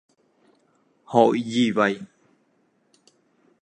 Hội gì vậy